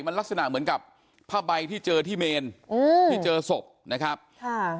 มันลักษณะเหมือนกับผ้าใบที่เจอที่เมนอืมที่เจอศพนะครับค่ะ